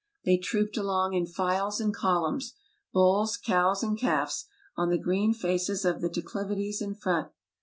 They trooped along in files and columns — bulls, cows, and calves — on the green faces of the declivities in front.